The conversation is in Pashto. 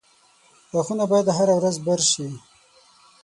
• غاښونه باید هره ورځ برس شي.